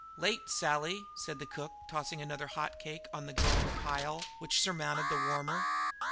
"Late, Sally," said the cook, tossing another hot cake on the growing pile which surmounted the warmer.